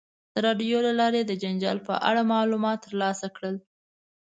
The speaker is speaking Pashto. د راډیو له لارې یې د جنجال په اړه معلومات ترلاسه کړل.